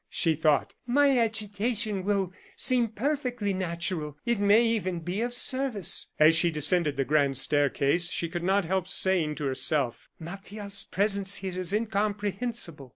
she thought, "my agitation will seem perfectly natural. It may even be made of service." As she descended the grand staircase, she could not help saying to herself: "Martial's presence here is incomprehensible."